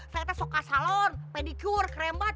saya tuh suka salon pedicure kerembat